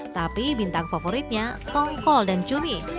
tapi bintang favoritnya tongkol dan cumi